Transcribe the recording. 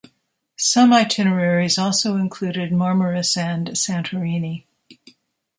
Some itineraries also included Marmaris and Santorini.